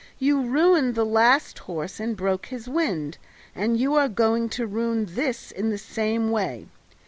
You ruined the last horse and broke his wind, and you are going to ruin this in the same way.